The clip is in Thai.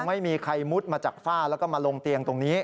ไม่มีใครมุดมาจากฝ้าแล้วก็มาลงเตียงตรงนี้